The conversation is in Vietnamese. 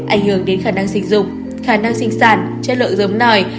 ảnh hưởng đến khả năng sinh dục khả năng sinh sản chất lượng giống nòi